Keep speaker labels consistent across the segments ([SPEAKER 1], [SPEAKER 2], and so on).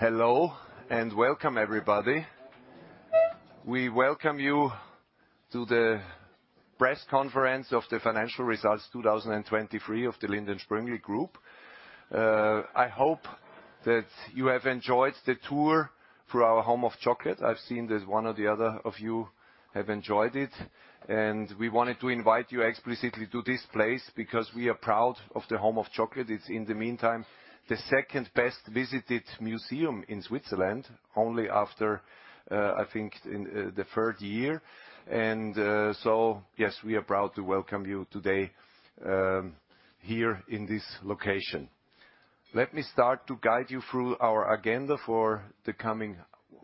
[SPEAKER 1] Hello and welcome, everybody. We welcome you to the press conference of the Financial Results 2023 of the Lindt & Sprüngli Group. I hope that you have enjoyed the tour through our home of chocolate. I've seen that one or the other of you have enjoyed it, and we wanted to invite you explicitly to this place because we are proud of the home of chocolate. It's in the meantime the second-best-visited museum in Switzerland, only after, I think, in the third year. So, yes, we are proud to welcome you today, here in this location. Let me start to guide you through our agenda for the coming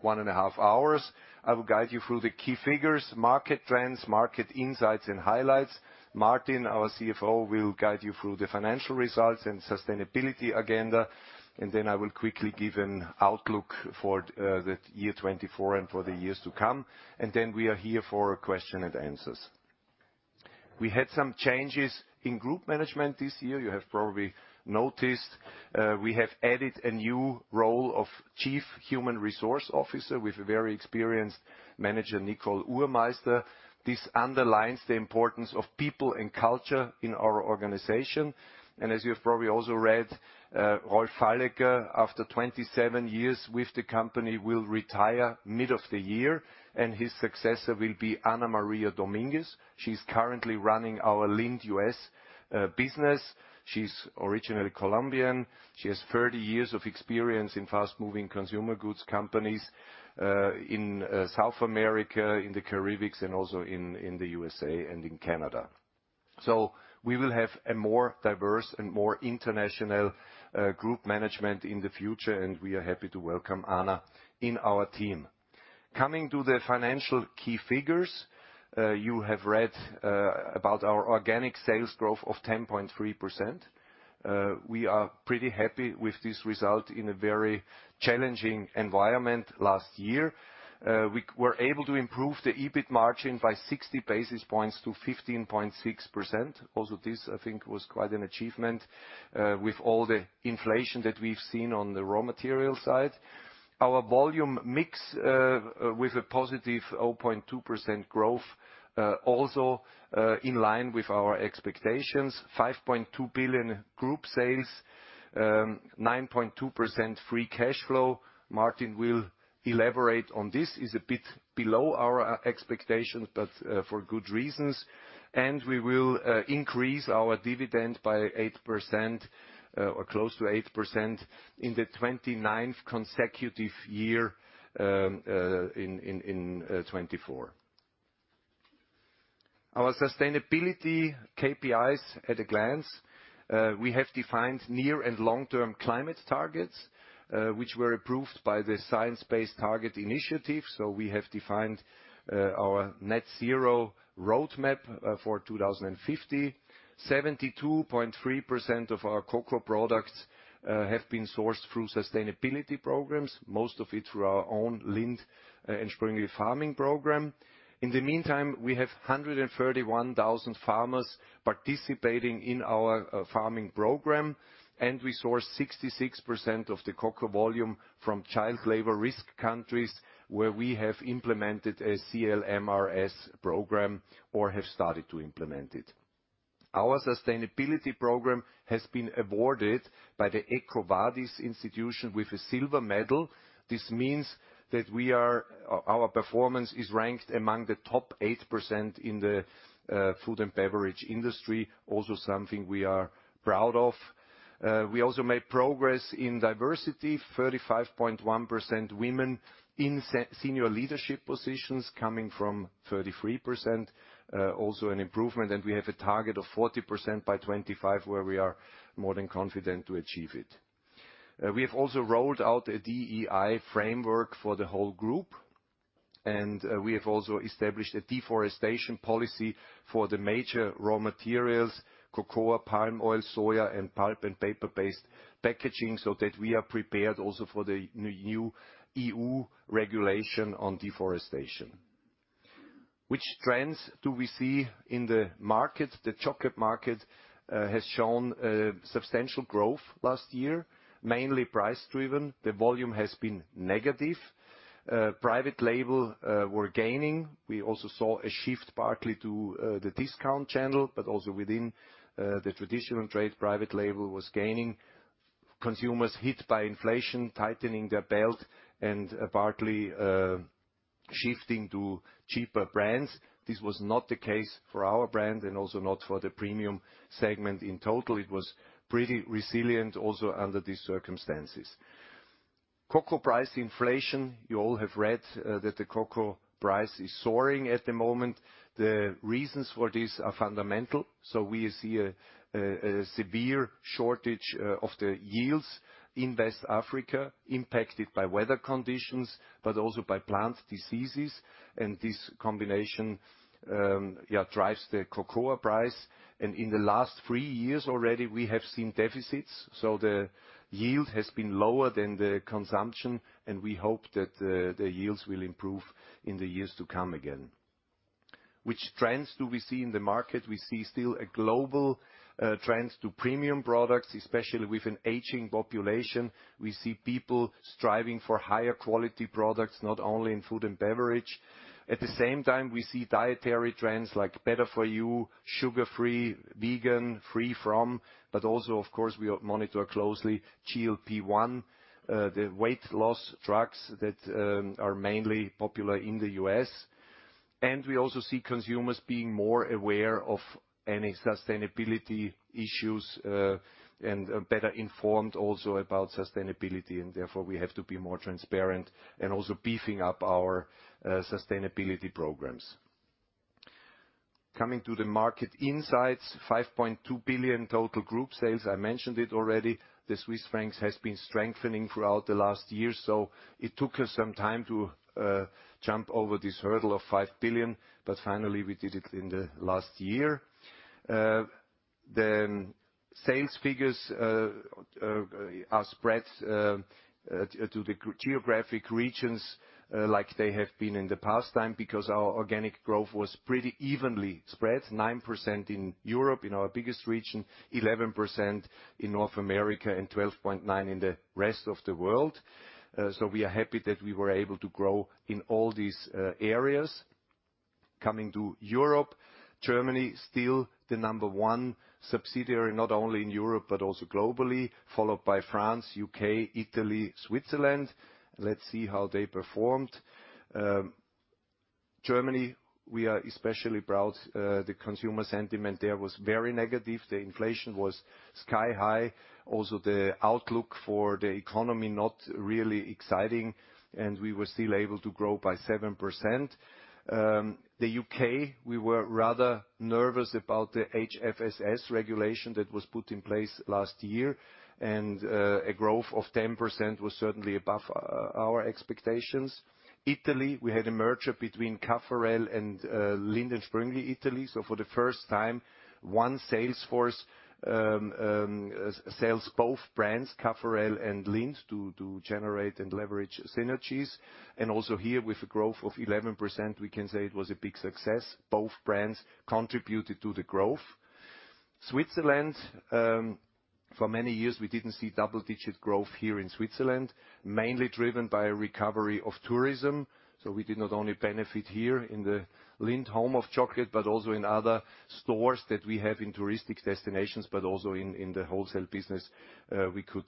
[SPEAKER 1] 1.5 hours. I will guide you through the key figures, market trends, market insights, and highlights. Martin, our CFO, will guide you through the financial results and sustainability agenda, and then I will quickly give an outlook for the year 2024 and for the years to come. Then we are here for question and answers. We had some changes in group management this year, you have probably noticed. We have added a new role of Chief Human Resources Officer with a very experienced manager, Nicole Uhrmeister. This underlines the importance of people and culture in our organization. As you have probably also read, Rolf Fallegger, after 27 years with the company, will retire mid of the year, and his successor will be Ana María Domínguez. She's currently running our Lindt U.S. business. She's originally Colombian. She has 30 years of experience in fast-moving consumer goods companies, in South America, in the Caribbeans, and also in the USA and in Canada. So we will have a more diverse and more international group management in the future, and we are happy to welcome Ana in our team. Coming to the financial key figures, you have read about our organic sales growth of 10.3%. We are pretty happy with this result in a very challenging environment last year. We were able to improve the EBIT margin by 60 basis points to 15.6%. Also, this, I think, was quite an achievement, with all the inflation that we've seen on the raw materials side. Our volume mix, with a positive 0.2% growth, also, in line with our expectations: 5.2 billion group sales, 9.2% free cash flow. Martin will elaborate on this. It's a bit below our expectations, but, for good reasons. And we will increase our dividend by 8%, or close to 8% in the 29th consecutive year, in 2024. Our sustainability KPIs at a glance. We have defined near- and long-term climate targets, which were approved by the Science Based Targets initiative. So we have defined our net zero roadmap for 2050. 72.3% of our cocoa products have been sourced through sustainability programs, most of it through our own Lindt & Sprüngli farming program. In the meantime, we have 131,000 farmers participating in our farming program, and we source 66% of the cocoa volume from child labor risk countries where we have implemented a CLMRS program or have started to implement it. Our sustainability program has been awarded by the EcoVadis with a silver medal. This means that our performance is ranked among the top 8% in the food and beverage industry, also something we are proud of. We also made progress in diversity: 35.1% women in senior leadership positions, coming from 33%, also an improvement. We have a target of 40% by 2025 where we are more than confident to achieve it. We have also rolled out a DEI framework for the whole group, and we have also established a deforestation policy for the major raw materials: cocoa, palm oil, soya, and pulp and paper-based packaging, so that we are prepared also for the new EU regulation on deforestation. Which trends do we see in the market? The chocolate market has shown substantial growth last year, mainly price-driven. The volume has been negative. Private label were gaining. We also saw a shift, partly to the discount channel, but also within the traditional trade. Private label was gaining. Consumers hit by inflation, tightening their belt, and partly shifting to cheaper brands. This was not the case for our brand and also not for the premium segment in total. It was pretty resilient, also under these circumstances. Cocoa price inflation. You all have read that the cocoa price is soaring at the moment. The reasons for this are fundamental. So we see a severe shortage of the yields in West Africa, impacted by weather conditions but also by plant diseases. And this combination, yeah, drives the cocoa price. And in the last three years already, we have seen deficits. So the yield has been lower than the consumption, and we hope that the yields will improve in the years to come again. Which trends do we see in the market? We see still a global trend to premium products, especially with an aging population. We see people striving for higher quality products, not only in food and beverage. At the same time, we see dietary trends like better for you, sugar-free, vegan, free from, but also, of course, we monitor closely GLP-1, the weight loss drugs that are mainly popular in the U.S. We also see consumers being more aware of any sustainability issues, and better informed also about sustainability. Therefore, we have to be more transparent and also beefing up our sustainability programs. Coming to the market insights: 5.2 billion total group sales. I mentioned it already. The Swiss franc has been strengthening throughout the last year, so it took us some time to jump over this hurdle of 5 billion, but finally, we did it in the last year. The sales figures are spread to the geographic regions like they have been in the past because our organic growth was pretty evenly spread: 9% in Europe, in our biggest region, 11% in North America, and 12.9% in the rest of the world. So we are happy that we were able to grow in all these areas. Coming to Europe: Germany, still the number one subsidiary, not only in Europe but also globally, followed by France, U.K., Italy, Switzerland. Let's see how they performed. Germany, we are especially proud. The consumer sentiment there was very negative. The inflation was sky-high. Also, the outlook for the economy was not really exciting, and we were still able to grow by 7%. The U.K., we were rather nervous about the HFSS regulation that was put in place last year, and a growth of 10% was certainly above our expectations. Italy, we had a merger between Caffarel and Lindt & Sprüngli Italy. So for the first time, one sales force sells both brands, Caffarel and Lindt, to generate and leverage synergies. And also here, with a growth of 11%, we can say it was a big success. Both brands contributed to the growth. Switzerland, for many years, we didn't see double-digit growth here in Switzerland, mainly driven by a recovery of tourism. So we did not only benefit here in the Lindt Home of Chocolate but also in other stores that we have in touristic destinations, but also in the wholesale business, we could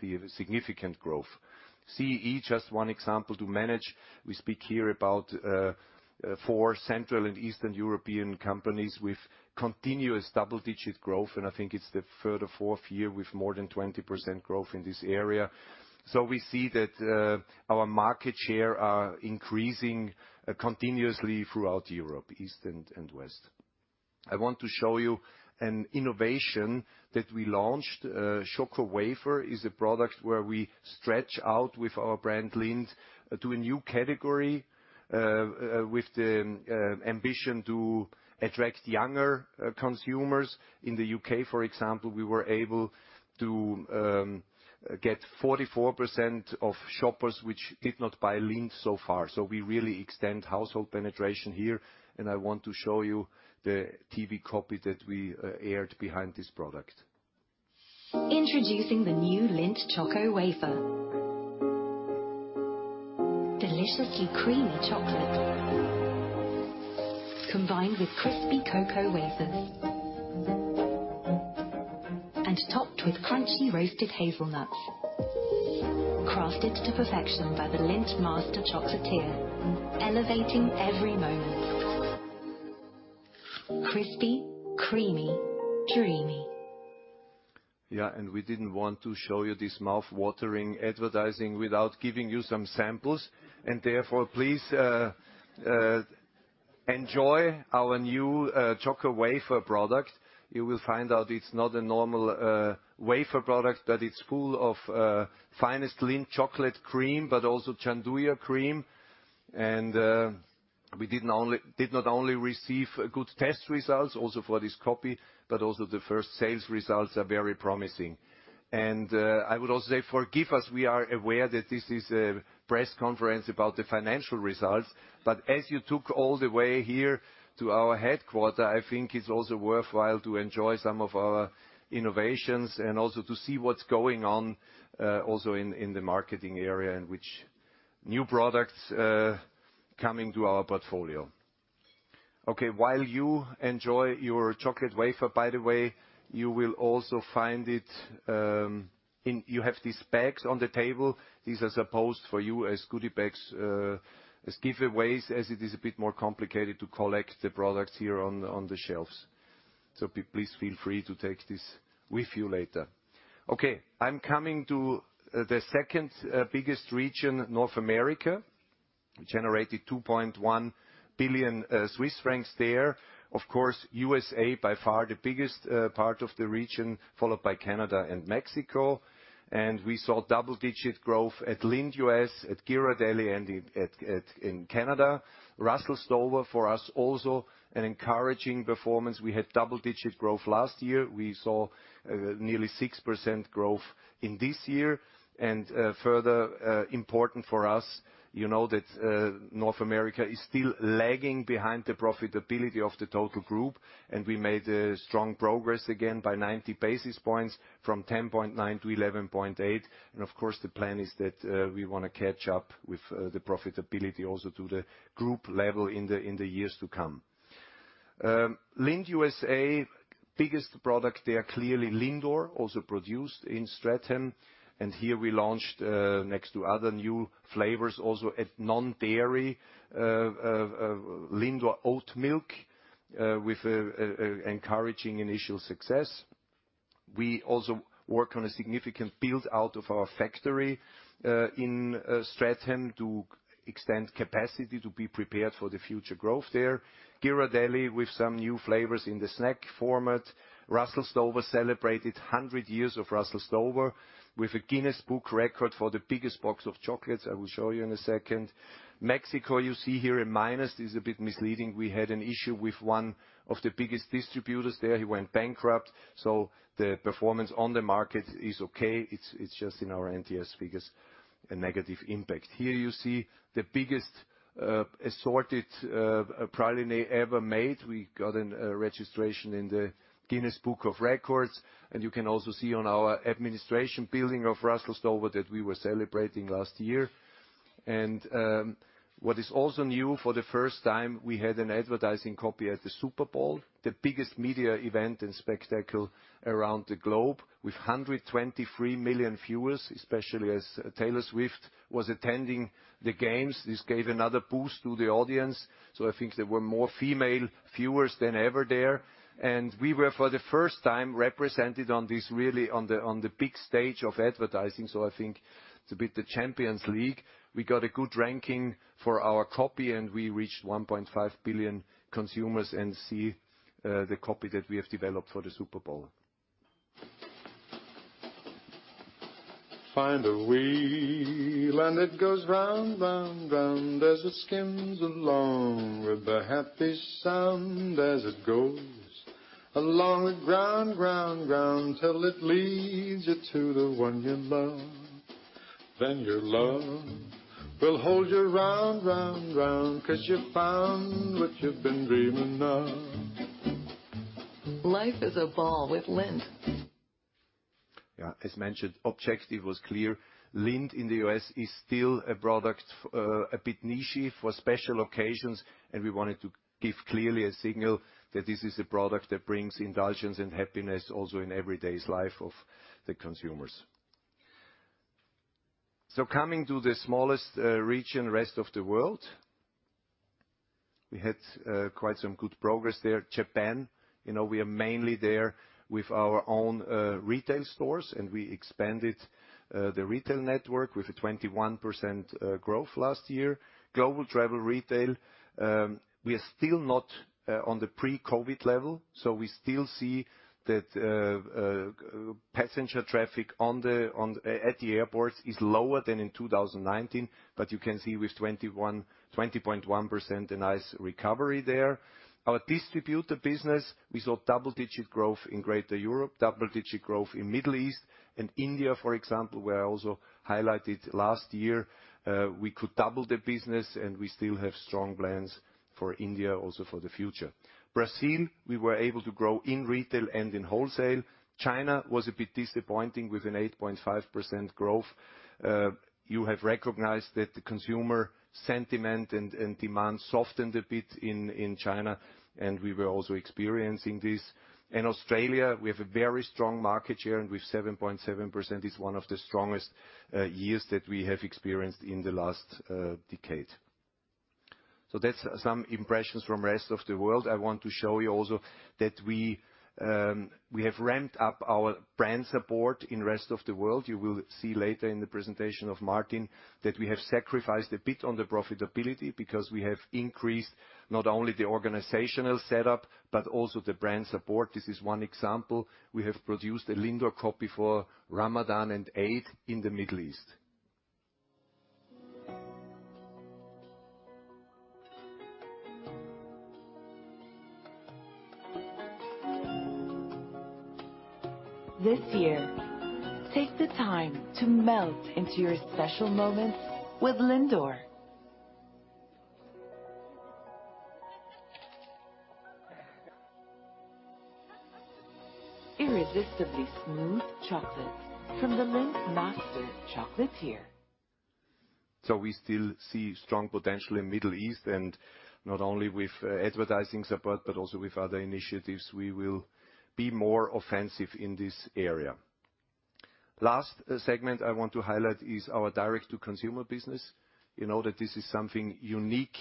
[SPEAKER 1] see significant growth. CEE, just one example to manage. We speak here about four Central and Eastern European companies with continuous double-digit growth, and I think it's the third or fourth year with more than 20% growth in this area. So we see that our market share is increasing continuously throughout Europe, East and West. I want to show you an innovation that we launched. Choco Wafer is a product where we stretch out with our brand Lindt to a new category, with the ambition to attract younger consumers. In the U.K., for example, we were able to get 44% of shoppers who did not buy Lindt so far. So we really extend household penetration here. And I want to show you the TV copy that we aired behind this product.
[SPEAKER 2] Introducing the new Lindt Choco Wafer. Deliciously creamy chocolate combined with crispy cocoa wafers and topped with crunchy roasted hazelnuts, crafted to perfection by the Lindt Master Chocolatier, elevating every moment. Crispy, creamy, dreamy.
[SPEAKER 1] Yeah, and we didn't want to show you this mouthwatering advertising without giving you some samples. And therefore, please enjoy our new Choco Wafer product. You will find out it's not a normal wafer product, but it's full of finest Lindt chocolate cream but also gianduja cream. And we did not only receive good test results also for this copy, but also the first sales results are very promising. And I would also say forgive us. We are aware that this is a press conference about the financial results, but as you came all the way here to our headquarters, I think it's also worthwhile to enjoy some of our innovations and also to see what's going on also in the marketing area and which new products are coming to our portfolio. Okay, while you enjoy your Choco Wafer, by the way, you will also find it in. You have these bags on the table. These are supposed for you as goodie bags, as giveaways, as it is a bit more complicated to collect the products here on the shelves. So please feel free to take this with you later. Okay, I'm coming to the second-biggest region, North America. We generated 2.1 billion Swiss francs there. Of course, USA is by far the biggest part of the region, followed by Canada and Mexico. And we saw double-digit growth at Lindt U.S., at Ghirardelli, and in Canada. Russell Stover for us also an encouraging performance. We had double-digit growth last year. We saw nearly 6% growth in this year. Further, important for us, you know that North America is still lagging behind the profitability of the total group, and we made a strong progress again by 90 basis points from 10.9% to 11.8%. Of course, the plan is that we want to catch up with the profitability also to the group level in the years to come. Lindt USA, biggest product there clearly Lindor, also produced in Stratham. Here we launched, next to other new flavors, also a non-dairy Lindor Oat Milk, with an encouraging initial success. We also work on a significant build-out of our factory in Stratham to extend capacity to be prepared for the future growth there. Ghirardelli with some new flavors in the snack format. Russell Stover celebrated 100 years of Russell Stover with a Guinness World Records record for the biggest box of chocolates. I will show you in a second. Mexico, you see here a minus. This is a bit misleading. We had an issue with one of the biggest distributors there. He went bankrupt. So the performance on the market is okay. It's, it's just in our NTS figures a negative impact. Here you see the biggest assorted praliné ever made. We got a registration in the Guinness World Records. And you can also see on our administration building of Russell Stover that we were celebrating last year. And, what is also new, for the first time, we had an advertising copy at the Super Bowl, the biggest media event and spectacle around the globe with 123 million viewers, especially as Taylor Swift was attending the games. This gave another boost to the audience. So I think there were more female viewers than ever there. We were, for the first time, represented on this really on the big stage of advertising. So I think it's a bit the Champions League. We got a good ranking for our copy, and we reached 1.5 billion consumers and see, the copy that we have developed for the Super Bowl.
[SPEAKER 2] Find a wheel, and it goes round, round, round as it skims along with a happy sound as it goes along with ground, ground, ground till it leads you to the one you love. Then your love will hold you round, round, round 'cause you found what you've been dreaming of. Life is a ball with Lindt.
[SPEAKER 1] Yeah, as mentioned, objective was clear. Lindt in the U.S. is still a product, a bit niche for special occasions, and we wanted to give clearly a signal that this is a product that brings indulgence and happiness also in everyday life of the consumers. So coming to the smallest region, rest of the world, we had quite some good progress there. Japan, you know, we are mainly there with our own retail stores, and we expanded the retail network with a 21% growth last year. Global travel retail, we are still not on the pre-COVID level. So we still see that passenger traffic at the airports is lower than in 2019, but you can see with 20.1%, a nice recovery there. Our distributor business, we saw double-digit growth in Greater Europe, double-digit growth in Middle East, and India, for example, where I also highlighted last year, we could double the business, and we still have strong plans for India also for the future. Brazil, we were able to grow in retail and in wholesale. China was a bit disappointing with an 8.5% growth. You have recognized that the consumer sentiment and demand softened a bit in China, and we were also experiencing this. And Australia, we have a very strong market share, and with 7.7% is one of the strongest years that we have experienced in the last decade. So that's some impressions from the rest of the world. I want to show you also that we have ramped up our brand support in the rest of the world. You will see later in the presentation of Martin that we have sacrificed a bit on the profitability because we have increased not only the organizational setup but also the brand support. This is one example. We have produced a Lindor copy for Ramadan and Eid in the Middle East.
[SPEAKER 2] This year, take the time to melt into your special moments with Lindor. Irresistibly smooth chocolate from the Lindt Master Chocolatier.
[SPEAKER 1] So we still see strong potential in the Middle East, and not only with advertising support but also with other initiatives, we will be more offensive in this area. Last segment I want to highlight is our direct-to-consumer business. You know that this is something unique,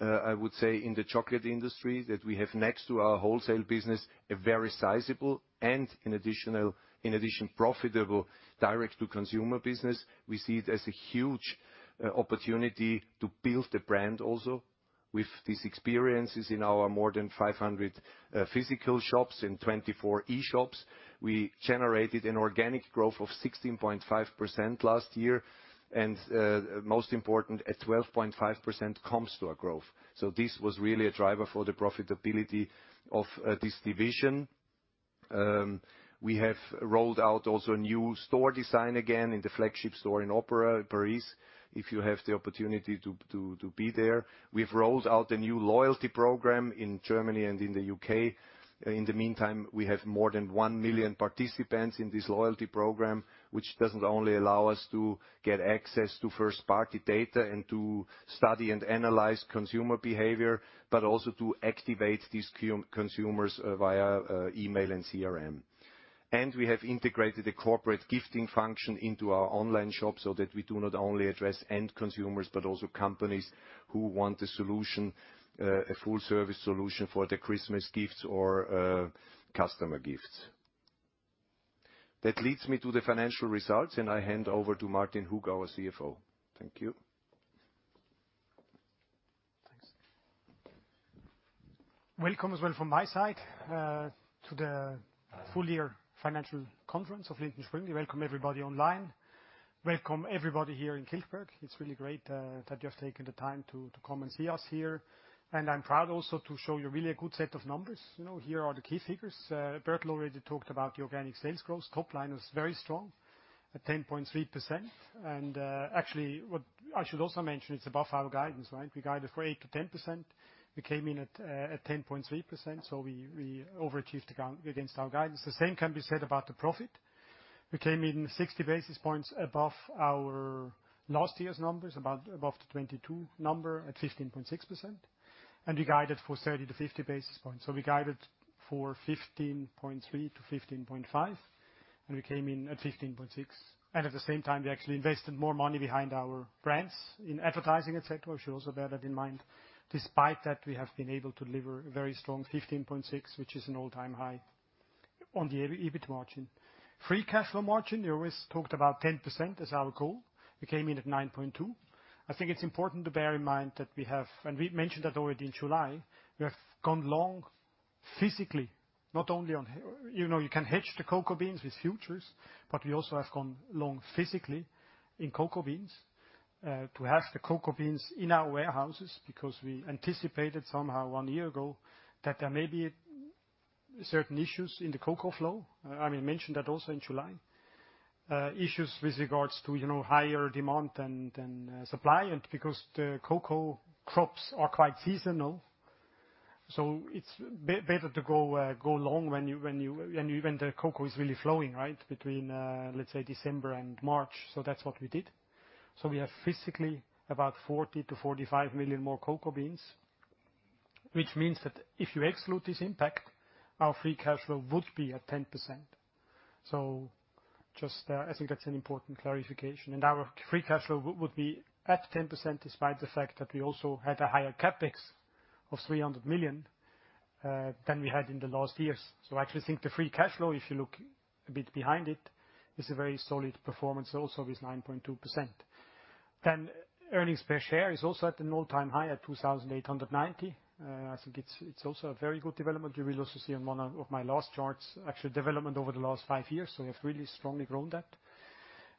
[SPEAKER 1] I would say, in the chocolate industry that we have next to our wholesale business, a very sizable and in addition, profitable direct-to-consumer business. We see it as a huge opportunity to build the brand also with these experiences in our more than 500 physical shops and 24 e-shops. We generated an organic growth of 16.5% last year, and, most important, a 12.5% comp store growth. So this was really a driver for the profitability of this division. We have rolled out also a new store design again in the flagship store in Opera, Paris, if you have the opportunity to be there. We've rolled out a new loyalty program in Germany and in the U.K. In the meantime, we have more than 1 million participants in this loyalty program, which doesn't only allow us to get access to first-party data and to study and analyze consumer behavior but also to activate these consumers via email and CRM. And we have integrated a corporate gifting function into our online shop so that we do not only address end consumers but also companies who want a solution, a full-service solution for the Christmas gifts or customer gifts. That leads me to the financial results, and I hand over to Martin Hug, our CFO. Thank you.
[SPEAKER 3] Thanks. Welcome as well from my side, to the full-year financial conference of Lindt & Sprüngli. Welcome everybody online. Welcome everybody here in Kilchberg. It's really great, that you have taken the time to come and see us here. And I'm proud also to show you really a good set of numbers. You know, here are the key figures. Bertel already talked about the organic sales growth. Top line was very strong at 10.3%. And, actually, what I should also mention, it's above our guidance, right? We guided for 8%-10%. We came in at 10.3%, so we overachieved the gap against our guidance. The same can be said about the profit. We came in 60 basis points above our last year's numbers, about above the 2022 number at 15.6%. And we guided for 30 basis points to 50 basis points. So we guided for 15.3%-15.5%, and we came in at 15.6%. And at the same time, we actually invested more money behind our brands in advertising, etc. We should also bear that in mind. Despite that, we have been able to deliver a very strong 15.6%, which is an all-time high on the EBIT margin. Free cash flow margin, you always talked about 10% as our goal. We came in at 9.2%. I think it's important to bear in mind that we have and we mentioned that already in July. We have gone long physically, not only on you know, you can hedge the cocoa beans with futures, but we also have gone long physically in cocoa beans, to have the cocoa beans in our warehouses because we anticipated somehow one year ago that there may be certain issues in the cocoa flow. I mean, mentioned that also in July. Issues with regards to, you know, higher demand than supply and because the cocoa crops are quite seasonal. So it's better to go long when the cocoa is really flowing, right, between, let's say, December and March. So that's what we did. So we have physically about 40-45 million more cocoa beans, which means that if you exclude this impact, our free cash flow would be at 10%. So just, I think that's an important clarification. And our free cash flow would be at 10% despite the fact that we also had a higher CapEx of 300 million than we had in the last years. So I actually think the free cash flow, if you look a bit behind it, is a very solid performance also with 9.2%. Then earnings per share is also at an all-time high at 2,890. I think it's also a very good development. You will also see on one of my last charts, actually, development over the last five years. So we have really strongly grown that.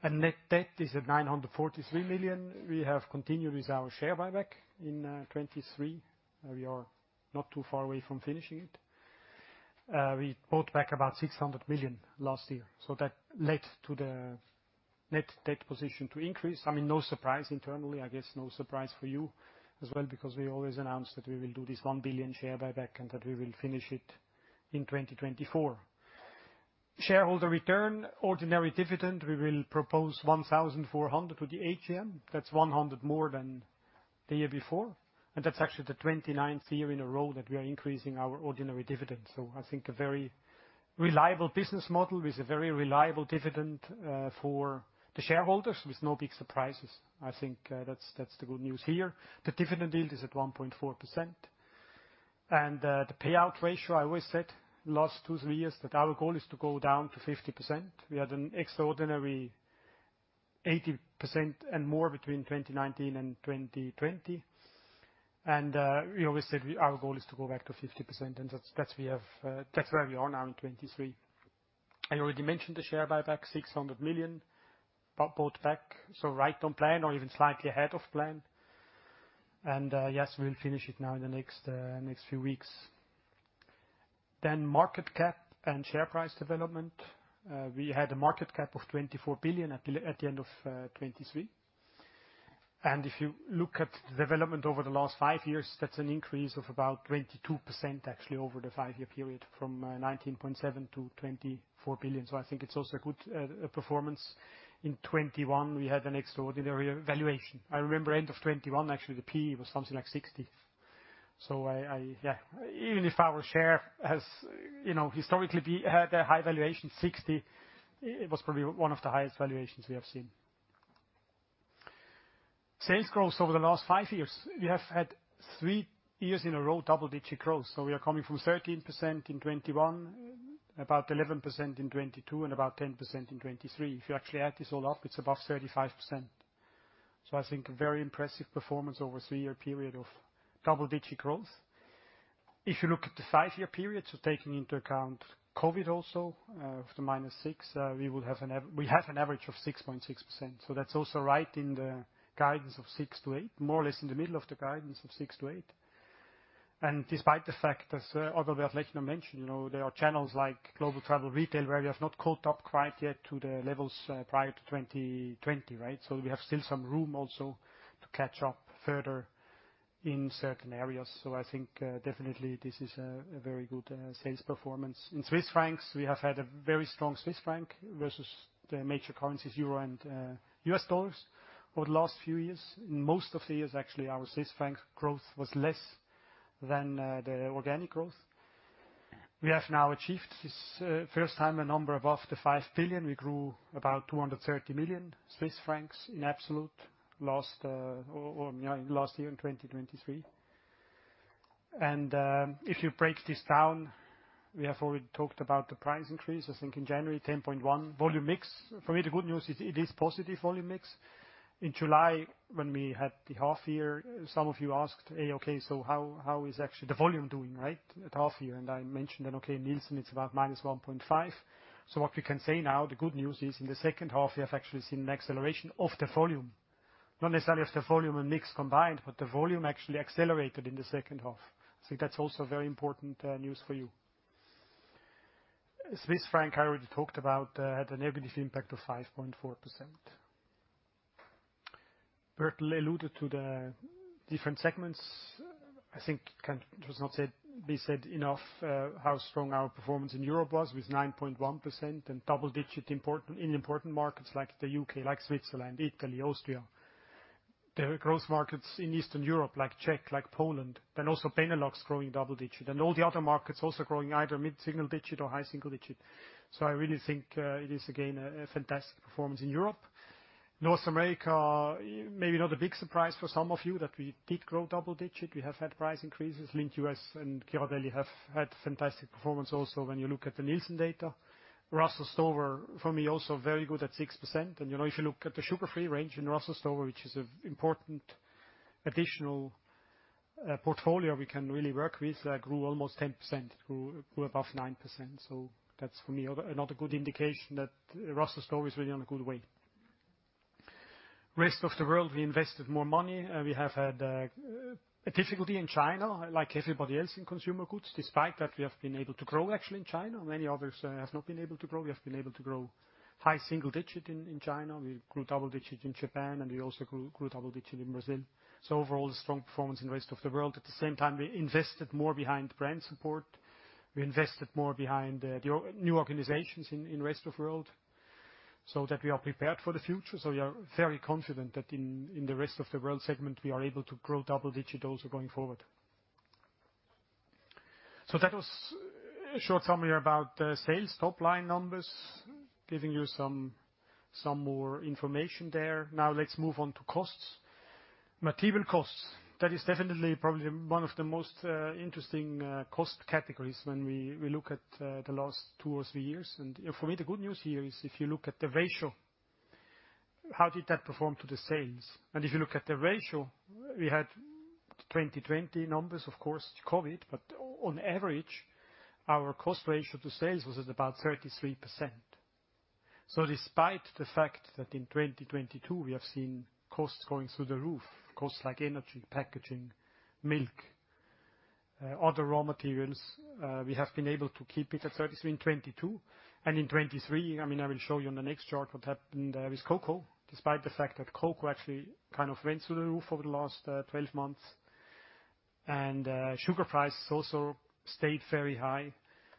[SPEAKER 3] And net debt is at 943 million. We have continued with our share buyback in 2023. We are not too far away from finishing it. We bought back about 600 million last year. So that led to the net debt position to increase. I mean, no surprise internally. I guess no surprise for you as well because we always announced that we will do this 1 billion share buyback and that we will finish it in 2024. Shareholder return, ordinary dividend, we will propose 1,400 to the AGM. That's 100 more than the year before. And that's actually the 29th year in a row that we are increasing our ordinary dividend. So I think a very reliable business model with a very reliable dividend, for the shareholders with no big surprises. I think, that's, that's the good news here. The dividend yield is at 1.4%. And, the payout ratio, I always said last two, three years that our goal is to go down to 50%. We had an extraordinary 80% and more between 2019 and 2020. And, we always said our goal is to go back to 50%. And that's, that's we have that's where we are now in 2023. I already mentioned the share buyback, 600 million bought back, so right on plan or even slightly ahead of plan. And, yes, we'll finish it now in the next, next few weeks. Then market cap and share price development. We had a market cap of 24 billion at the end of 2023. And if you look at the development over the last five years, that's an increase of about 22% actually over the five-year period from 19.7 billion-24 billion. So I think it's also a good performance. In 2021, we had an extraordinary valuation. I remember end of 2021, actually, the PE was something like 60. So I yeah. Even if our share has, you know, historically had a high valuation, 60, it was probably one of the highest valuations we have seen. Sales growth over the last five years. We have had three years in a row double-digit growth. So we are coming from 13% in 2021, about 11% in 2022, and about 10% in 2023. If you actually add this all up, it's above 35%. So I think a very impressive performance over a 3-year period of double-digit growth. If you look at the five year period, so taking into account COVID also, of the -6, even we have an average of 6.6%. So that's also right in the guidance of 6%-8%, more or less in the middle of the guidance of 6%-8%. And despite the fact, as Adalbert Lechner mentioned, you know, there are channels like global travel retail where we have not caught up quite yet to the levels prior to 2020, right? So I think, definitely, this is a very good sales performance. In Swiss francs, we have had a very strong Swiss franc versus the major currencies, euro and U.S. dollars, over the last few years. In most of the years, actually, our Swiss franc growth was less than the organic growth. We have now achieved this, first time a number above the 5 billion. We grew about 230 million Swiss francs in absolute last year in 2023. If you break this down, we have already talked about the price increase, I think, in January, 10.1 volume mix. For me, the good news is it is positive volume mix. In July, when we had the half-year, some of you asked, "Ay, okay, so how, how is actually the volume doing, right, at half-year?" And I mentioned then, "Okay, Nielsen, it's about minus 1.5." So what we can say now, the good news is in the second half, we have actually seen an acceleration of the volume. Not necessarily of the volume and mix combined, but the volume actually accelerated in the second half. I think that's also very important news for you. Swiss franc, I already talked about, had a negative impact of 5.4%. Bertel alluded to the different segments. I think can just not said be said enough, how strong our performance in Europe was with 9.1% and double-digit important in important markets like the U.K., like Switzerland, Italy, Austria, the growth markets in Eastern Europe like Czech, like Poland, then also Benelux growing double-digit, and all the other markets also growing either mid-single digit or high-single digit. So I really think it is, again, a fantastic performance in Europe. North America, maybe not a big surprise for some of you that we did grow double-digit. We have had price increases. Lindt U.S. and Ghirardelli have had fantastic performance also when you look at the Nielsen data. Russell Stover, for me, also very good at 6%. And, you know, if you look at the sugar-free range in Russell Stover, which is an important additional portfolio we can really work with, grew almost 10%, grew above 9%. So that's, for me, another good indication that Russell Stover is really on a good way. Rest of the world, we invested more money. We have had a difficulty in China like everybody else in consumer goods. Despite that, we have been able to grow actually in China. Many others have not been able to grow. We have been able to grow high-single-digit in China. We grew double-digit in Japan, and we also grew double-digit in Brazil. So overall, strong performance in the rest of the world. At the same time, we invested more behind brand support. We invested more behind the new organizations in the rest of the world so that we are prepared for the future. So we are very confident that in the rest of the world segment, we are able to grow double-digit also going forward. So that was a short summary about the sales top line numbers, giving you some more information there. Now, let's move on to costs. Material costs. That is definitely probably one of the most interesting cost categories when we look at the last two or three years. And for me, the good news here is if you look at the ratio, how did that perform to the sales? And if you look at the ratio, we had 2020 numbers, of course, COVID, but on average, our cost ratio to sales was at about 33%. So despite the fact that in 2022, we have seen costs going through the roof, costs like energy, packaging, milk, other raw materials, we have been able to keep it at 33% in 2022. And in 2023, I mean, I will show you on the next chart what happened, with cocoa despite the fact that cocoa actually kind of went through the roof over the last 12 months. And sugar price also stayed very high.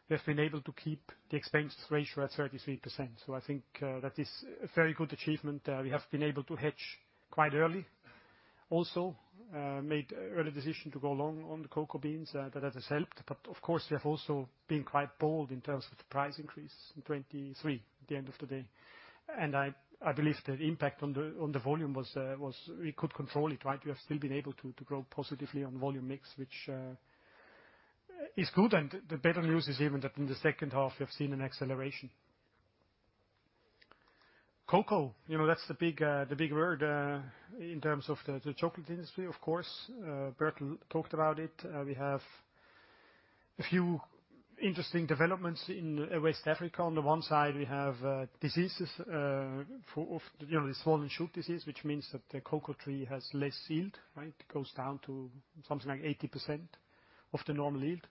[SPEAKER 3] We have been able to keep the expense ratio at 33%. So I think that is a very good achievement. We have been able to hedge quite early also, made early decision to go long on the cocoa beans. That has helped. But of course, we have also been quite bold in terms of the price increase in 2023 at the end of the day. And I, I believe the impact on the on the volume was, was we could control it, right? We have still been able to, to grow positively on volume mix, which, is good. And the better news is even that in the second half, we have seen an acceleration. Cocoa, you know, that's the big, the big word, in terms of the, the chocolate industry, of course. Bertel talked about it. We have a few interesting developments in West Africa. On the one side, we have, diseases, one of, you know, the Swollen Shoot Disease, which means that the cocoa tree has less yield, right? It goes down to something like 80% of the normal yield.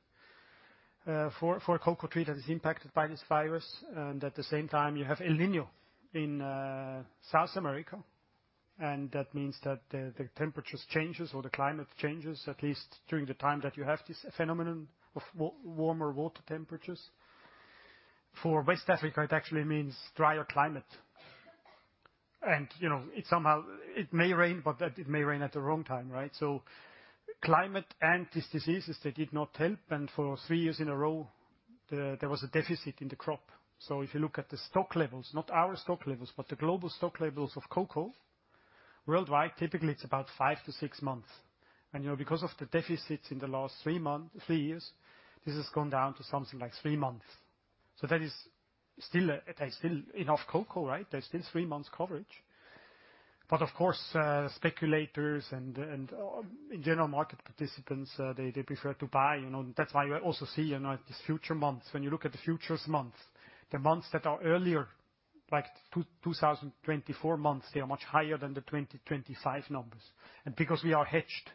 [SPEAKER 3] For a cocoa tree that is impacted by this virus, and at the same time, you have El Niño in South America. And that means that the temperature changes or the climate changes, at least during the time that you have this phenomenon of warmer water temperatures. For West Africa, it actually means drier climate. And, you know, it somehow it may rain, but it may rain at the wrong time, right? So climate and these diseases, they did not help. And for three years in a row, there was a deficit in the crop. So if you look at the stock levels, not our stock levels, but the global stock levels of cocoa worldwide, typically, it's about five to six months. And, you know, because of the deficits in the last three years, this has gone down to something like three months. So that is still, there's still enough cocoa, right? There's still three months coverage. But of course, speculators and, in general, market participants, they prefer to buy. You know, that's why you also see, you know, at these future months, when you look at the futures months, the months that are earlier, like 2024 months, they are much higher than the 2025 numbers. And because we are hedged,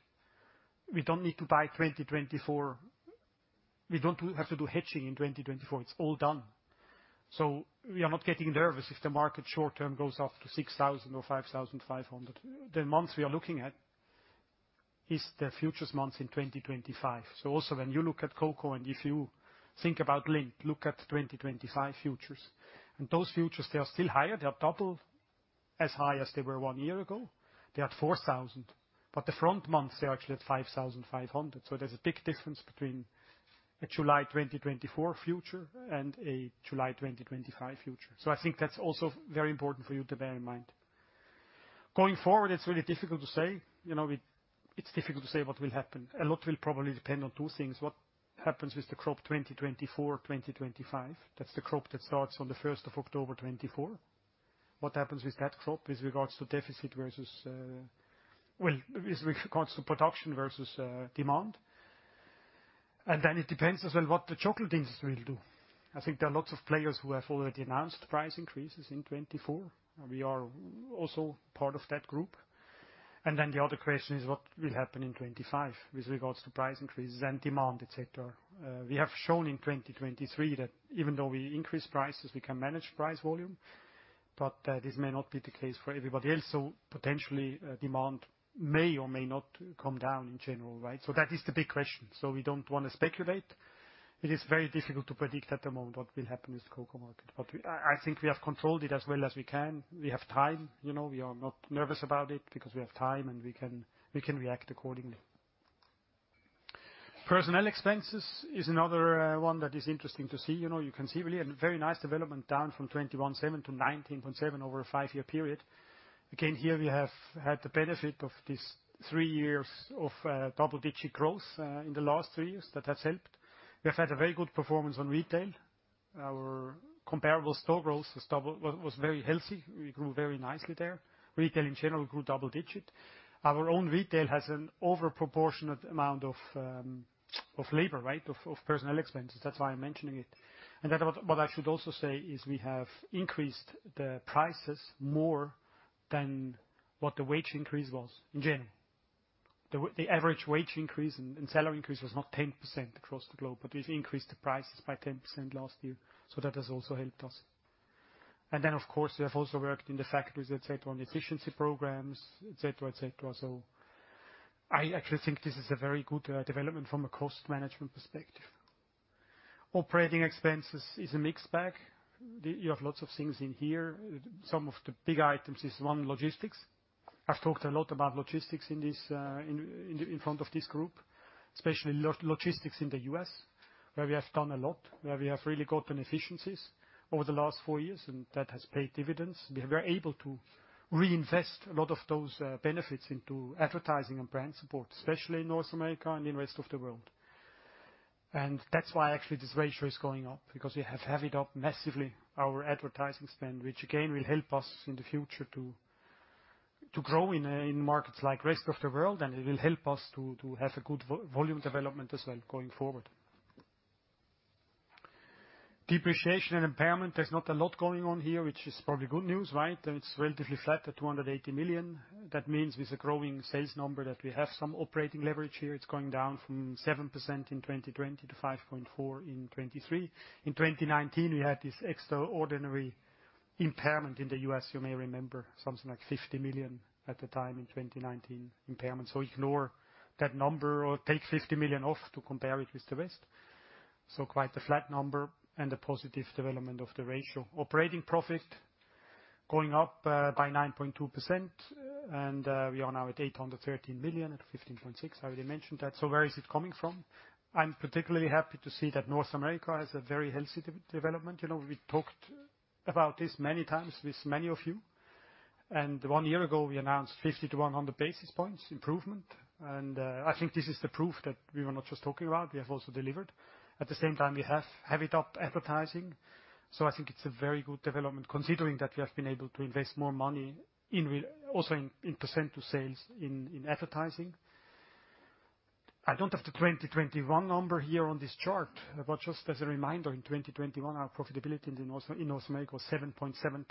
[SPEAKER 3] we don't need to buy 2024. We don't have to do hedging in 2024. It's all done. So we are not getting nervous if the market short-term goes up to 6,000 or 5,500. The months we are looking at is the futures months in 2025. So also, when you look at cocoa and if you think about Lindt, look at 2025 futures. And those futures, they are still higher. They are double as high as they were one year ago. They are at $4,000. But the front months, they are actually at $5,500. So there's a big difference between a July 2024 future and a July 2025 future. So I think that's also very important for you to bear in mind. Going forward, it's really difficult to say. You know, it's difficult to say what will happen. A lot will probably depend on two things. What happens with the crop 2024, 2025? That's the crop that starts on the 1st of October 2024. What happens with that crop with regards to deficit versus, well, with regards to production versus, demand? And then it depends as well what the chocolate industry will do. I think there are lots of players who have already announced price increases in 2024. We are also part of that group. Then the other question is what will happen in 2025 with regards to price increases and demand, etc.? We have shown in 2023 that even though we increase prices, we can manage price volume. But this may not be the case for everybody else. So potentially, demand may or may not come down in general, right? So that is the big question. So we don't want to speculate. It is very difficult to predict at the moment what will happen with the cocoa market. But I think we have controlled it as well as we can. We have time. You know, we are not nervous about it because we have time, and we can react accordingly. Personnel expenses is another one that is interesting to see. You know, you can see really a very nice development down from 21.7% to 19.7% over a five-year period. Again, here, we have had the benefit of these three years of double-digit growth in the last three years that has helped. We have had a very good performance on retail. Our comparable store growth was double-digit, was very healthy. We grew very nicely there. Retail in general grew double-digit. Our own retail has an overproportionate amount of labor, right, of personnel expenses. That's why I'm mentioning it. And then what I should also say is we have increased the prices more than what the wage increase was in general. The average wage increase and salary increase was not 10% across the globe, but we've increased the prices by 10% last year. So that has also helped us. And then, of course, we have also worked in the factories, etc., on efficiency programs, etc., etc. So I actually think this is a very good development from a cost management perspective. Operating expenses is a mixed bag. You have lots of things in here. Some of the big items is, one, logistics. I've talked a lot about logistics in this in front of this group, especially logistics in the U.S. where we have done a lot, where we have really gotten efficiencies over the last four years, and that has paid dividends. We are able to reinvest a lot of those benefits into advertising and brand support, especially in North America and in the rest of the world. And that's why actually this ratio is going up because we have heavyed up massively our advertising spend, which, again, will help us in the future to grow in markets like the rest of the world. It will help us to have a good volume development as well going forward. Depreciation and impairment. There's not a lot going on here, which is probably good news, right? It's relatively flat at 280 million. That means with a growing sales number that we have some operating leverage here, it's going down from 7% in 2020 to 5.4% in 2023. In 2019, we had this extraordinary impairment in the U.S. You may remember something like 50 million at the time in 2019 impairment. So ignore that number or take 50 million off to compare it with the rest. So quite a flat number and a positive development of the ratio. Operating profit going up by 9.2%. And we are now at 813 million at 15.6%. I already mentioned that. So where is it coming from? I'm particularly happy to see that North America has a very healthy development. You know, we talked about this many times with many of you. One year ago, we announced 50-100 basis points improvement. I think this is the proof that we were not just talking about. We have also delivered. At the same time, we have beefed up advertising. I think it's a very good development considering that we have been able to invest more money also in percentage to sales in advertising. I don't have the 2021 number here on this chart, but just as a reminder, in 2021, our profitability in North America was 7.7%.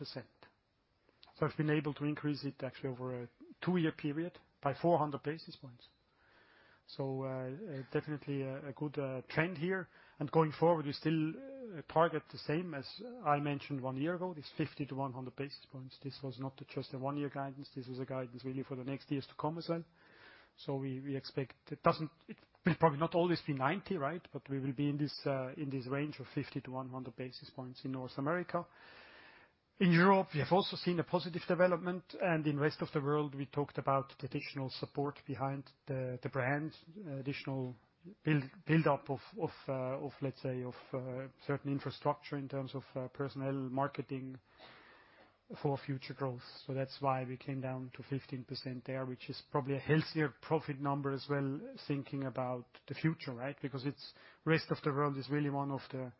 [SPEAKER 3] I've been able to increase it actually over a two-year period by 400 basis points. Definitely a good trend here. Going forward, we still target the same as I mentioned one year ago, this 50-100 basis points. This was not just a one-year guidance. This was a guidance really for the next years to come as well. So we expect it doesn't. It will probably not always be 90, right? But we will be in this range of 50 basis points-100 basis points in North America. In Europe, we have also seen a positive development. In the rest of the world, we talked about the additional support behind the brand, additional buildup of, let's say, certain infrastructure in terms of personnel, marketing for future growth. So that's why we came down to 15% there, which is probably a healthier profit number as well thinking about the future, right? Because it's the rest of the world is really one of the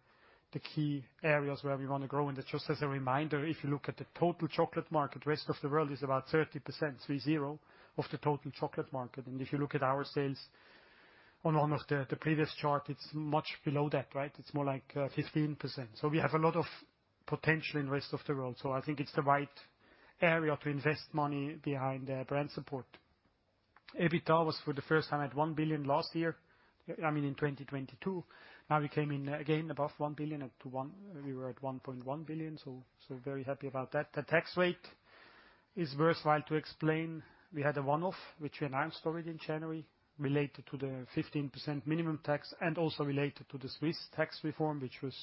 [SPEAKER 3] key areas where we want to grow. And just as a reminder, if you look at the total chocolate market, the rest of the world is about 30%, 30% of the total chocolate market. And if you look at our sales on one of the previous chart, it's much below that, right? It's more like 15%. So we have a lot of potential in the rest of the world. So I think it's the right area to invest money behind, brand support. EBITDA was for the first time at 1 billion last year, I mean, in 2022. Now, we came in again above 1 billion at 1 we were at 1.1 billion. So, so very happy about that. The tax rate is worthwhile to explain. We had a one-off, which we announced already in January related to the 15% minimum tax and also related to the Swiss tax reform, which was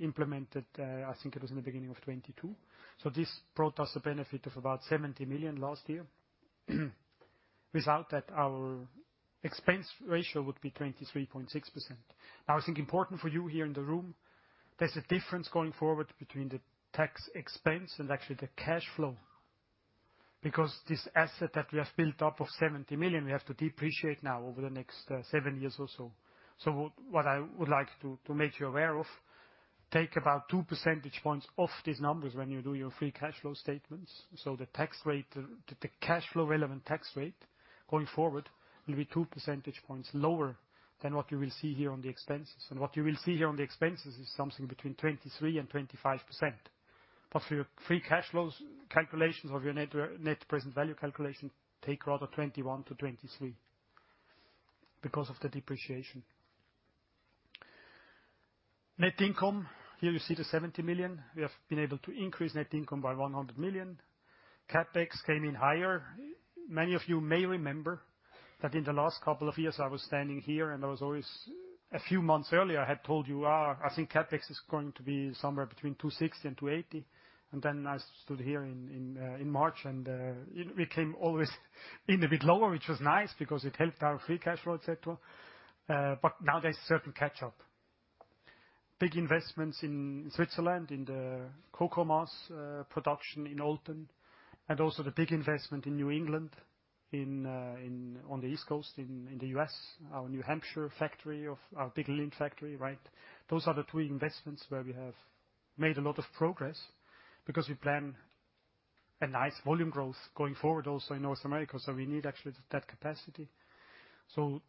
[SPEAKER 3] implemented, I think it was in the beginning of 2022. So this brought us a benefit of about 70 million last year. Without that, our expense ratio would be 23.6%. Now, I think important for you here in the room, there's a difference going forward between the tax expense and actually the cash flow because this asset that we have built up of 70 million, we have to depreciate now over the next seven years or so. So what I would like to make you aware of, take about 2 percentage points off these numbers when you do your free cash flow statements. So the tax rate, the cash flow relevant tax rate going forward will be 2 percentage points lower than what you will see here on the expenses. And what you will see here on the expenses is something between 23%-25%. But for your free cash flows calculations of your net present value calculation, take rather 21%-23% because of the depreciation. Net income. Here, you see the 70 million. We have been able to increase net income by 100 million. CapEx came in higher. Many of you may remember that in the last couple of years, I was standing here, and I was always a few months earlier, I had told you, I think CapEx is going to be somewhere between 260 million and 280 million. Then I stood here in March, and it became always a bit lower, which was nice because it helped our free cash flow, etc., but now, there's a certain catch-up. Big investments in Switzerland, in the cocoa mass production in Olten, and also the big investment in New England, on the East Coast, in the U.S., our New Hampshire factory of our big Lindt factory, right? Those are the two investments where we have made a lot of progress because we plan a nice volume growth going forward also in North America. So we need actually that capacity. So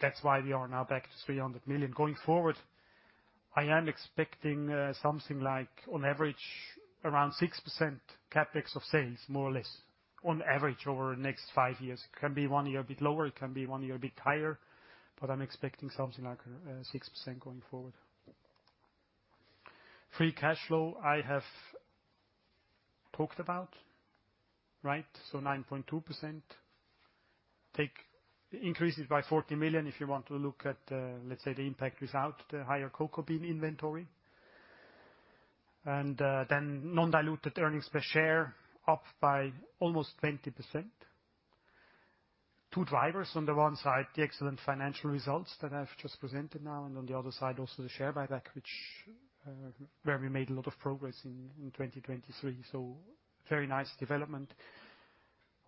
[SPEAKER 3] that's why we are now back to 300 million. Going forward, I am expecting, something like, on average, around 6% CapEx of sales, more or less, on average over the next five years. It can be one year a bit lower. It can be one year a bit higher. But I'm expecting something like, 6% going forward. Free cash flow, I have talked about, right? So 9.2%. Take increase it by 40 million if you want to look at, let's say, the impact without the higher cocoa bean inventory. And, then non-diluted earnings per share up by almost 20%. Two drivers on the one side, the excellent financial results that I've just presented now, and on the other side, also the share buyback, which, where we made a lot of progress in, in 2023. So very nice development.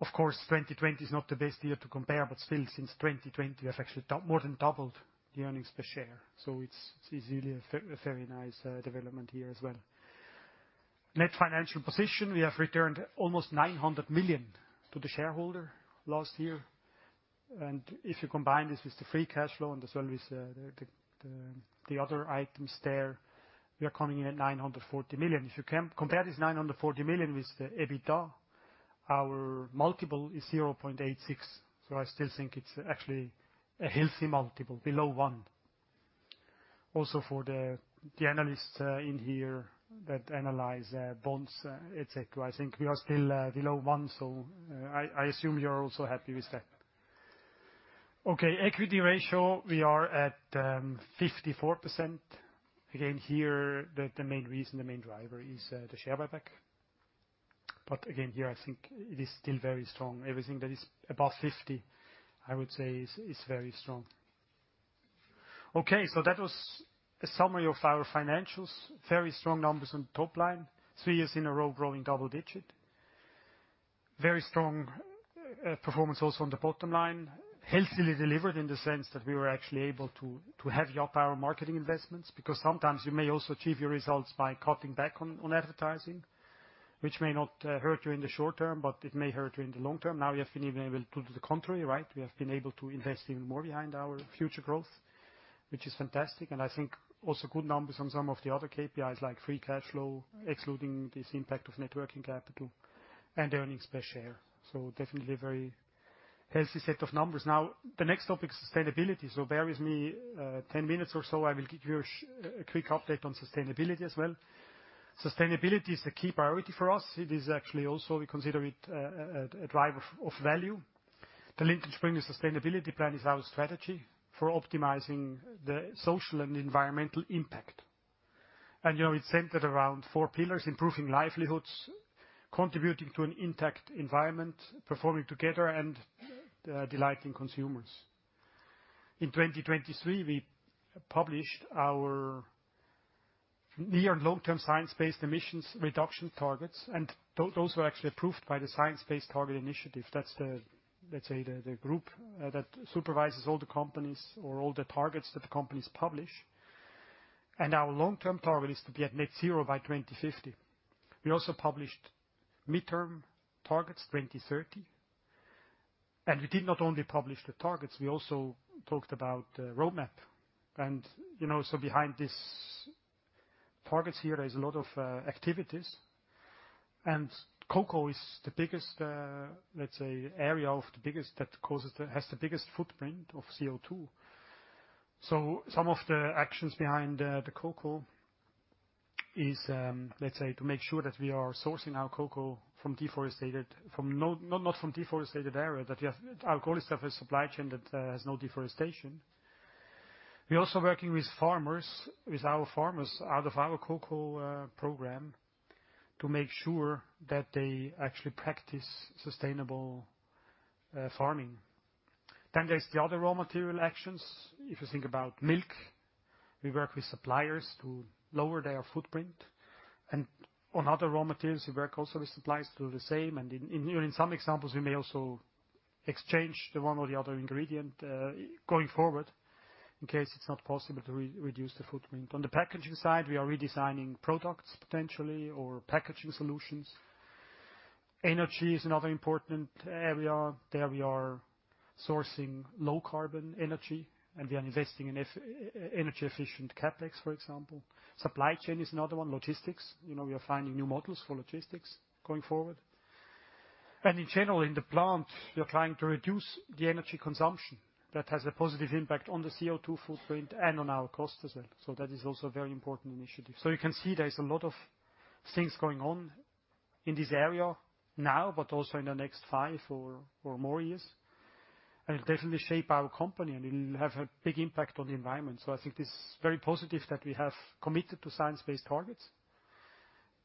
[SPEAKER 3] Of course, 2020 is not the best year to compare, but still, since 2020, we have actually more than doubled the earnings per share. So it's easily a very nice development here as well. Net financial position, we have returned almost 900 million to the shareholder last year. And if you combine this with the free cash flow as well with the other items there, we are coming in at 940 million. If you compare this 940 million with the EBITDA, our multiple is 0.86. So I still think it's actually a healthy multiple, below 1. Also for the analysts in here that analyze bonds, etc., I think we are still below 1. So, I assume you're also happy with that. Okay. Equity ratio, we are at 54%. Again, here, the main reason, the main driver is the share buyback. But again, here, I think it is still very strong. Everything that is above 50, I would say, is very strong. Okay. So that was a summary of our financials. Very strong numbers on the top line. Three years in a row growing double-digit. Very strong performance also on the bottom line. Healthily delivered in the sense that we were actually able to heavy up our marketing investments because sometimes you may also achieve your results by cutting back on advertising, which may not hurt you in the short term, but it may hurt you in the long term. Now, we have been even able to do the contrary, right? We have been able to invest even more behind our future growth, which is fantastic. I think also good numbers on some of the other KPIs like free cash flow excluding this impact of networking capital and earnings per share. So definitely a very healthy set of numbers. Now, the next topic is sustainability. Bear with me, 10 minutes or so. I will give you a quick update on sustainability as well. Sustainability is a key priority for us. It is actually also we consider it a driver of value. The Lindt & Sprüngli Sustainability Plan is our strategy for optimizing the social and environmental impact. And, you know, it's centered around four pillars: improving livelihoods, contributing to an intact environment, performing together, and delighting consumers. In 2023, we published our near- and long-term science-based emissions reduction targets. And those were actually approved by the Science Based Targets initiative. That's the, let's say, the group that supervises all the companies or all the targets that the companies publish. Our long-term target is to be at net zero by 2050. We also published midterm targets, 2030. We did not only publish the targets. We also talked about the roadmap. You know, so behind these targets here, there's a lot of activities. Cocoa is the biggest, let's say, area that has the biggest footprint of CO2. Some of the actions behind the cocoa is, let's say, to make sure that we are sourcing our cocoa from deforested – no, not from deforested area, that we have a holistic view of a supply chain that has no deforestation. We're also working with farmers, with our farmers out of our cocoa program to make sure that they actually practice sustainable farming. Then there's the other raw material actions. If you think about milk, we work with suppliers to lower their footprint. And on other raw materials, we work also with suppliers to do the same. And in some examples, we may also exchange the one or the other ingredient, going forward in case it's not possible to reduce the footprint. On the packaging side, we are redesigning products potentially or packaging solutions. Energy is another important area. There, we are sourcing low-carbon energy. And we are investing in energy-efficient CapEx, for example. Supply chain is another one. Logistics. You know, we are finding new models for logistics going forward. And in general, in the plant, we are trying to reduce the energy consumption that has a positive impact on the CO2 footprint and on our cost as well. So that is also a very important initiative. So you can see there's a lot of things going on in this area now, but also in the next five or more years. And it'll definitely shape our company, and it'll have a big impact on the environment. So I think it's very positive that we have committed to science-based targets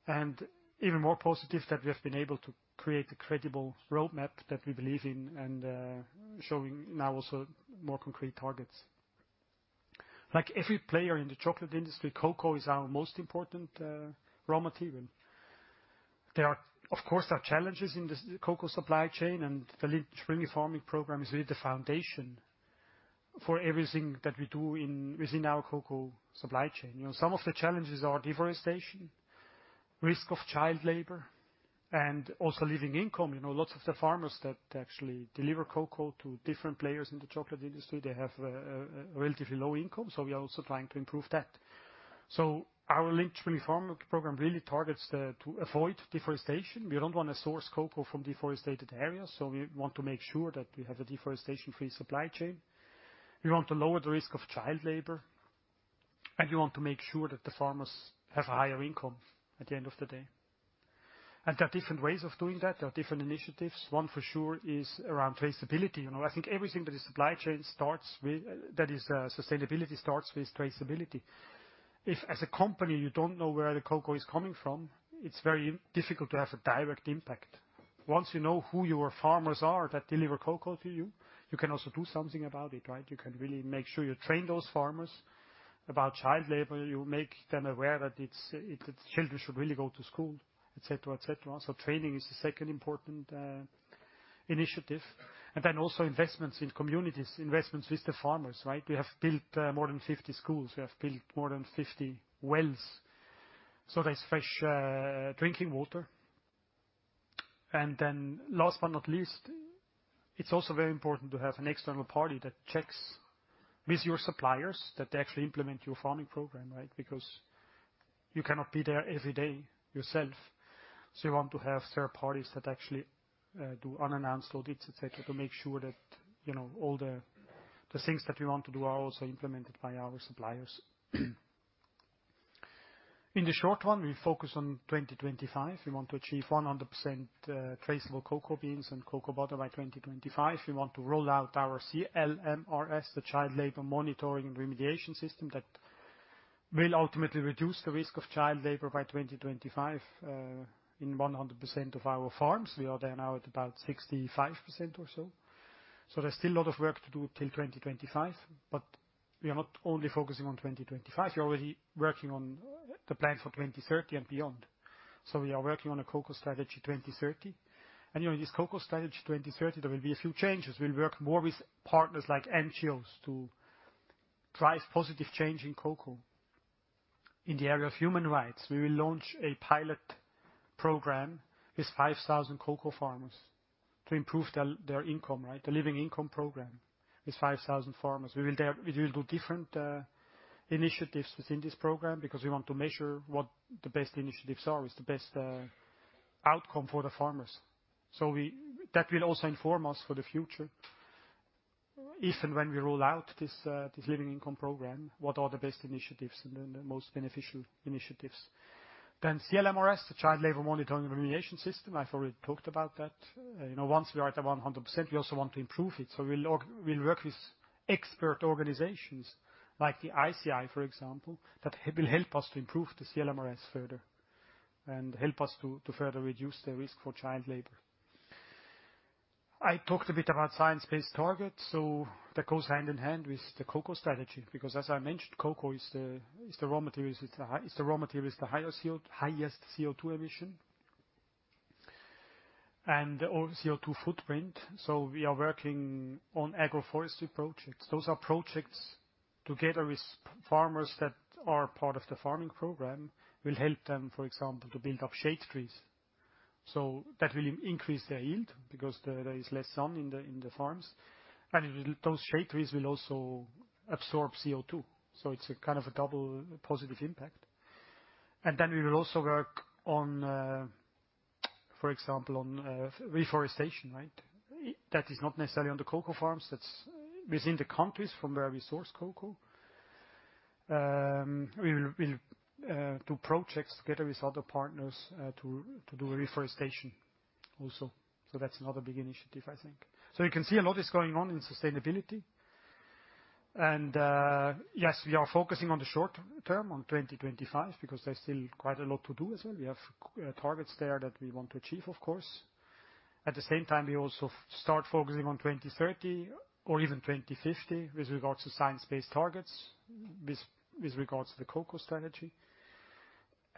[SPEAKER 3] and even more positive that we have been able to create a credible roadmap that we believe in and showing now also more concrete targets. Like every player in the chocolate industry, cocoa is our most important raw material. There are, of course, challenges in the cocoa supply chain. And the Lindt & Sprüngli Farming Program is really the foundation for everything that we do within our cocoa supply chain. You know, some of the challenges are deforestation, risk of child labor, and also living income. You know, lots of the farmers that actually deliver cocoa to different players in the chocolate industry, they have a relatively low income. So we are also trying to improve that. So our Lindt & Sprüngli Farming Program really targets to avoid deforestation. We don't want to source cocoa from deforested areas. So we want to make sure that we have a deforestation-free supply chain. We want to lower the risk of child labor. And we want to make sure that the farmers have a higher income at the end of the day. And there are different ways of doing that. There are different initiatives. One for sure is around traceability. You know, I think everything that is supply chain starts with that is, sustainability starts with traceability. If, as a company, you don't know where the cocoa is coming from, it's very difficult to have a direct impact. Once you know who your farmers are that deliver cocoa to you, you can also do something about it, right? You can really make sure you train those farmers about child labor. You make them aware that it's children should really go to school, etc., etc. So training is the second important initiative. And then also investments in communities, investments with the farmers, right? We have built more than 50 schools. We have built more than 50 wells. So there's fresh drinking water. And then last but not least, it's also very important to have an external party that checks with your suppliers that they actually implement your farming program, right? Because you cannot be there every day yourself. So you want to have third parties that actually do unannounced audits, etc., to make sure that, you know, all the things that we want to do are also implemented by our suppliers. In the short one, we focus on 2025. We want to achieve 100% traceable cocoa beans and cocoa butter by 2025. We want to roll out our CLMRS, the Child Labor Monitoring and Remediation System, that will ultimately reduce the risk of child labor by 2025 in 100% of our farms. We are there now at about 65% or so. So there's still a lot of work to do till 2025. But we are not only focusing on 2025. We're already working on the plan for 2030 and beyond. So we are working on a cocoa strategy 2030. And, you know, in this cocoa strategy 2030, there will be a few changes. We'll work more with partners like NGOs to drive positive change in cocoa in the area of human rights. We will launch a pilot program with 5,000 cocoa farmers to improve their income, right, the living income program with 5,000 farmers. We will do different initiatives within this program because we want to measure what the best initiatives are, which is the best outcome for the farmers. So that will also inform us for the future, if and when we roll out this living income program, what are the best initiatives and the most beneficial initiatives. Then CLMRS, the Child Labor Monitoring and Remediation System, I've already talked about that. You know, once we are at 100%, we also want to improve it. So we'll work with expert organizations like the ICI, for example, that will help us to improve the CLMRS further and help us to further reduce the risk for child labor. I talked a bit about science-based targets. So that goes hand in hand with the cocoa strategy because, as I mentioned, cocoa is the raw material with the highest CO2 emission and CO2 footprint. So we are working on agroforestry projects. Those are projects together with farmers that are part of the farming program will help them, for example, to build up shade trees. So that will increase their yield because there is less sun in the farms. And those shade trees will also absorb CO2. So it's a kind of a double positive impact. And then we will also work on, for example, on reforestation, right, that is not necessarily on the cocoa farms. That's within the countries from where we source cocoa. We will do projects together with other partners, to do reforestation also. So that's another big initiative, I think. So you can see a lot is going on in sustainability. And, yes, we are focusing on the short term, on 2025, because there's still quite a lot to do as well. We have targets there that we want to achieve, of course. At the same time, we also start focusing on 2030 or even 2050 with regards to science-based targets, with regards to the cocoa strategy.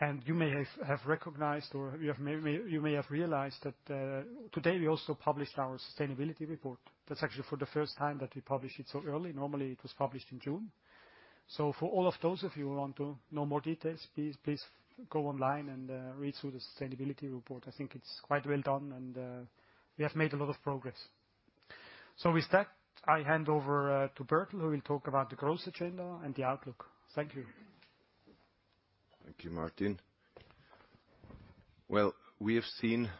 [SPEAKER 3] And you may have recognized or you may have realized that, today, we also published our sustainability report. That's actually for the first time that we published it so early. Normally, it was published in June. So for all of those of you who want to know more details, please, please go online and read through the sustainability report. I think it's quite well done, and we have made a lot of progress. So with that, I hand over to Bertel, who will talk about the growth agenda and the outlook. Thank you.
[SPEAKER 1] Thank you, Martin. Well, we have seen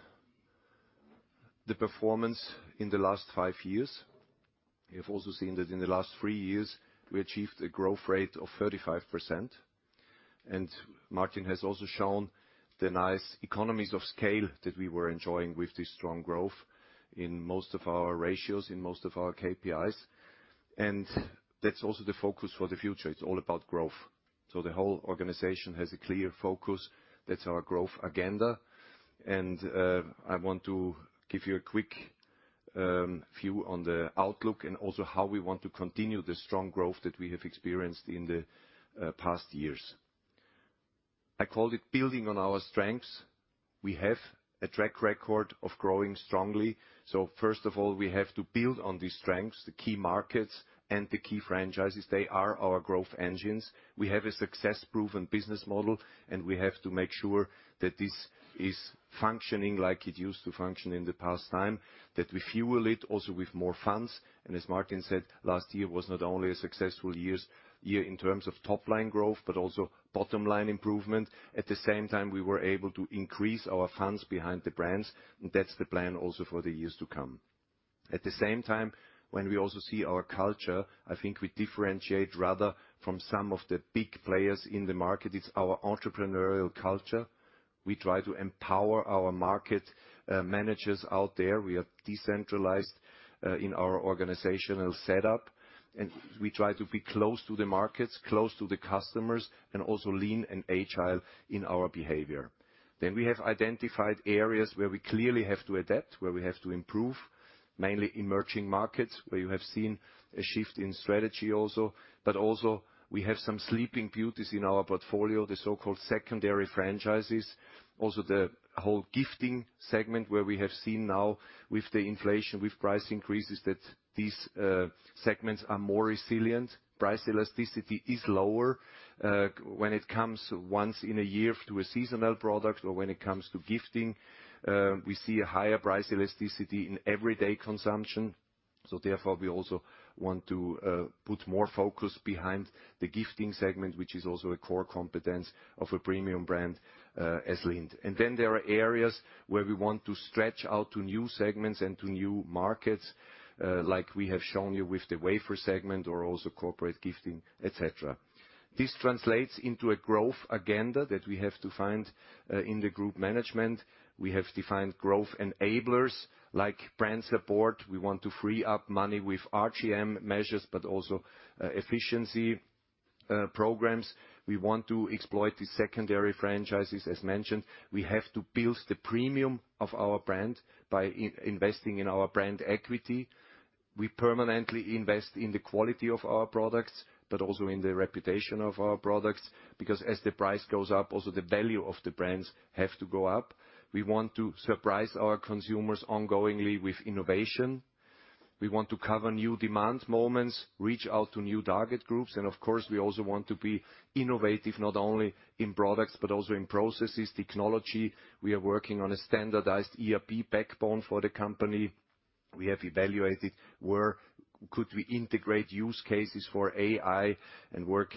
[SPEAKER 1] the performance in the last five years. We have also seen that in the last three years, we achieved a growth rate of 35%. Martin has also shown the nice economies of scale that we were enjoying with this strong growth in most of our ratios, in most of our KPIs. That's also the focus for the future. It's all about growth. The whole organization has a clear focus. That's our growth agenda. I want to give you a quick view on the outlook and also how we want to continue the strong growth that we have experienced in the past years. I called it building on our strengths. We have a track record of growing strongly. First of all, we have to build on these strengths, the key markets, and the key franchises. They are our growth engines. We have a success-proven business model. We have to make sure that this is functioning like it used to function in the past time, that we fuel it also with more funds. As Martin said, last year was not only a successful year in terms of top-line growth but also bottom-line improvement. At the same time, we were able to increase our funds behind the brands. That's the plan also for the years to come. At the same time, when we also see our culture, I think we differentiate rather from some of the big players in the market. It's our entrepreneurial culture. We try to empower our market managers out there. We are decentralized in our organizational setup. We try to be close to the markets, close to the customers, and also lean and agile in our behavior. Then we have identified areas where we clearly have to adapt, where we have to improve, mainly emerging markets where you have seen a shift in strategy also. But also, we have some sleeping beauties in our portfolio, the so-called secondary franchises, also the whole gifting segment where we have seen now with the inflation, with price increases, that these segments are more resilient. Price elasticity is lower when it comes once in a year to a seasonal product or when it comes to gifting. We see a higher price elasticity in everyday consumption. So therefore, we also want to put more focus behind the gifting segment, which is also a core competence of a premium brand, as Lindt. Then there are areas where we want to stretch out to new segments and to new markets, like we have shown you with the wafer segment or also corporate gifting, etc. This translates into a growth agenda that we have to find in the group management. We have defined growth enablers like brand support. We want to free up money with RGM measures but also efficiency programs. We want to exploit the secondary franchises, as mentioned. We have to build the premium of our brand by investing in our brand equity. We permanently invest in the quality of our products but also in the reputation of our products because as the price goes up, also the value of the brands have to go up. We want to surprise our consumers ongoingly with innovation. We want to cover new demand moments, reach out to new target groups. Of course, we also want to be innovative not only in products but also in processes, technology. We are working on a standardized ERP backbone for the company. We have evaluated where we could integrate use cases for AI and where they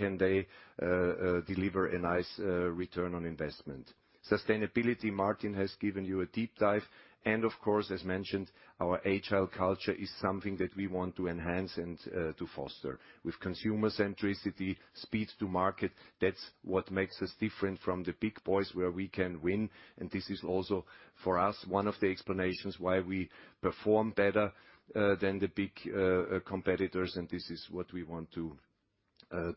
[SPEAKER 1] can deliver a nice return on investment. Sustainability, Martin has given you a deep dive. Of course, as mentioned, our agile culture is something that we want to enhance and to foster with consumer centricity, speed to market. That's what makes us different from the big boys where we can win. And this is also, for us, one of the explanations why we perform better than the big competitors. And this is what we want to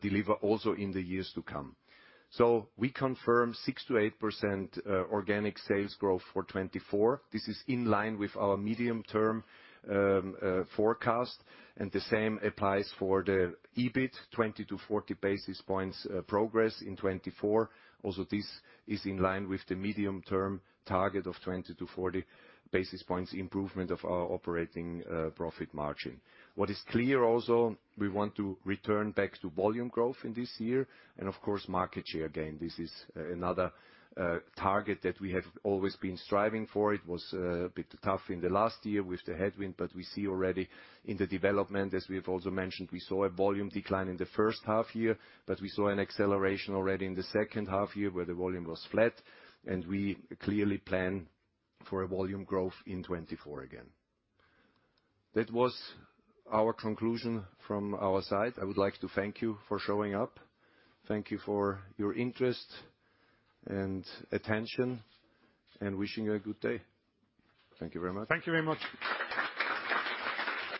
[SPEAKER 1] deliver also in the years to come. So we confirm 6%-8% organic sales growth for 2024. This is in line with our medium-term forecast. And the same applies for the EBIT, 20 basis points-40 basis points progress in 2024. Also, this is in line with the medium-term target of 20 basis points-40 basis points improvement of our operating profit margin. What is clear also, we want to return back to volume growth in this year and, of course, market share gain. This is another target that we have always been striving for. It was a bit tough in the last year with the headwind, but we see already in the development, as we have also mentioned, we saw a volume decline in the first half year, but we saw an acceleration already in the second half year where the volume was flat. And we clearly plan for a volume growth in 2024 again. That was our conclusion from our side. I would like to thank you for showing up. Thank you for your interest and attention and wishing you a good day. Thank you very much.
[SPEAKER 3] Thank you very much.